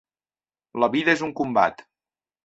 La vida és un combat.